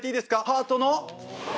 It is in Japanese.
ハートの？